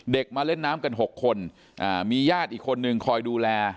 มาเล่นน้ำกัน๖คนมีญาติอีกคนนึงคอยดูแล